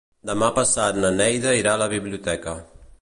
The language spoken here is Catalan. Demà passat na Neida irà a la biblioteca.